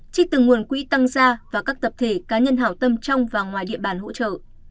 trích từ nguồn quỹ tăng gia và các tập thể cá nhân hảo tâm trong và ngoài địa bàn hỗ trợ